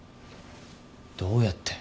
どうやって？